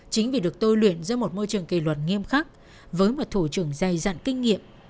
chính vì được tôi luyện giữa một môi trường kỳ luật nghiêm khắc với một thủ trưởng dài dặn kinh nghiệm